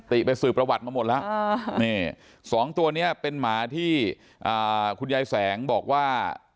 ไปสืบประวัติมาหมดแล้วสองตัวนี้เป็นหมาที่คุณยายแสงบอกว่า